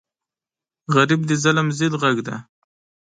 غریب د ظلم ضد غږ دی